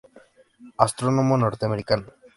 Astrónomo norteamericano.